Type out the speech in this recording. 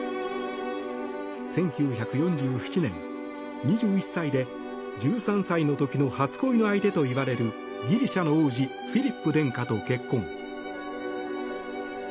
１９４７年、２１歳で１３歳の時の初恋の相手といわれるギリシャの王子フィリップ殿下と結婚。